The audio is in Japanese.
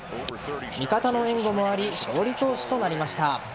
味方の援護もあり勝利投手となりました。